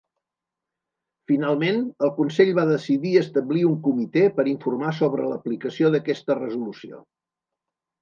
Finalment, el Consell va decidir establir un Comitè per informar sobre l'aplicació d'aquesta resolució.